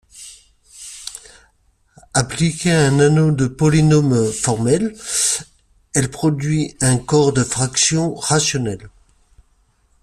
Appliquée à un anneau de polynômes formels, elle produit un corps de fractions rationnelles.